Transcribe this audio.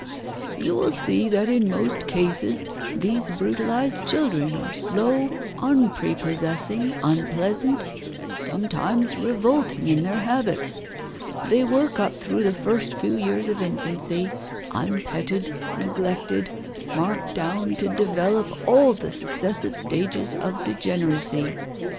you will see that in most cases these brutalized children are slow, unprepossessing, unpleasant and sometimes revolting in their habits. They work up through the first few years of infancy, unpetted, neglected, marked down to develop all the successive stages of degeneracy.